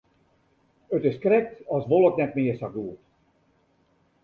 It is krekt as wol it net mear sa goed.